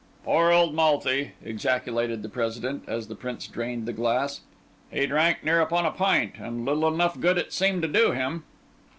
"Poor old Malthy!" ejaculated the President, as the Prince drained the glass. "He drank near upon a pint, and little enough good it seemed to do him!"